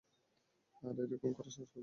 আর এরকম করার সাহস করবি না।